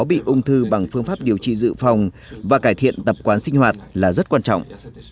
bị ung thư bằng phương pháp điều trị dự phòng và cải thiện tập quán sinh hoạt là rất quan trọng